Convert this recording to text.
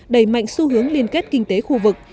đẩy mạnh xu hướng liên kết kinh tế khu vực